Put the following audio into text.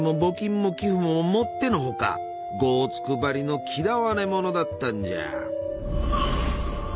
業突く張りの嫌われ者だったんじゃ。